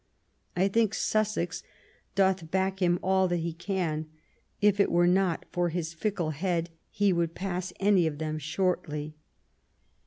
I think Sussex doth back him all that he can ; if it were not for his fickle head he would pass any of them shortly.